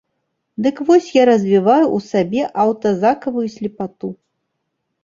Дык вось я развіваю ў сабе аўтазакавую слепату.